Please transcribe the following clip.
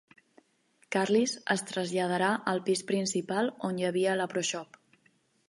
Curly's es traslladarà al pis principal, on hi havia la Pro Shop.